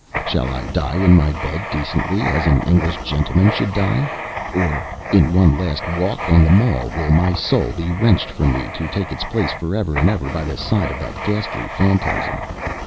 Shall I die in my bed decently and as an English gentleman should die; or, in one last walk on the Mall, will my soul be wrenched from me to take its place forever and ever by the side of that ghastly phantasm?